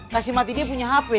kasih mati dia punya hp